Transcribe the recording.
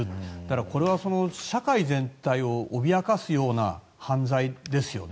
これは社会全体を脅かすような犯罪ですよね。